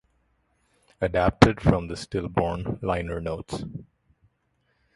Adapted from the "Stillborn" liner notes.